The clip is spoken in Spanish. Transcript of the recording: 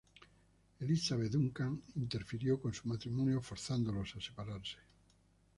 Elizabeth Duncan interfirió con su matrimonio forzándolos a separarse.